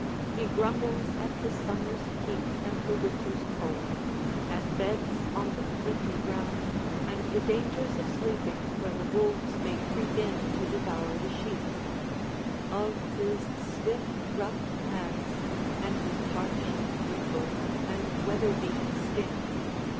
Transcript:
He grumbles at the summer's heat and the winter's cold; at beds on the flinty ground, and the dangers of sleeping where the wolves may creep in to devour the sheep; of his stiff rough hands, and his parched, wrinkled, and weather beaten skin.